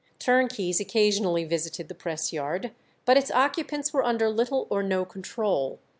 Turnkeys occasionally visited the press yard, but its occupants were under little or no control.